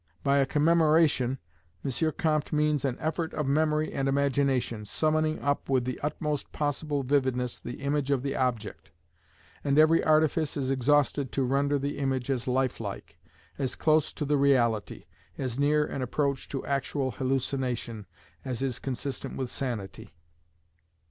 By a commemoration M. Comte means an effort of memory and imagination, summoning up with the utmost possible vividness the image of the object: and every artifice is exhausted to render the image as life like, as close to the reality, as near an approach to actual hallucination, as is consistent with sanity.